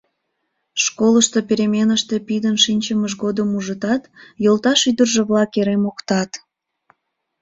Школышто переменыште пидын шинчымыж годым ужытат, йолташ ӱдыржӧ-влак эре моктат.